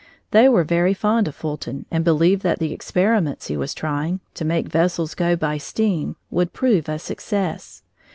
They were very fond of Fulton and believed that the experiments he was trying, to make vessels go by steam, would prove a success.